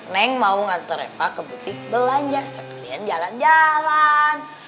neng mau ngantar eva ke butik belanja sekalian jalan jalan